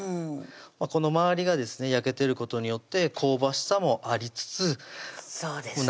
この周りがですね焼けてることによって香ばしさもありつつそうですね